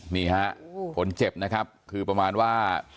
มีฝนเจ็บครับคือประมาณว่า